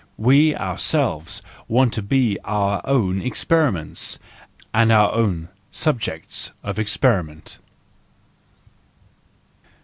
We our¬ selves want to be our own experiments, and our own subjects of experiment.